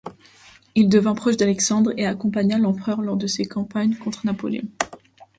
Il devint proche d'Alexandre et accompagna l'empereur lors de ses campagnes contre Napoléon.